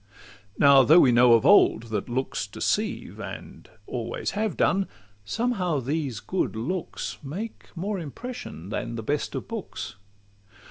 Now though we know of old that looks deceive, And always have done, somehow these good looks Make more impression than the best of books.